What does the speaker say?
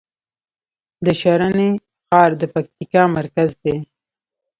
د شرن ښار د پکتیکا مرکز دی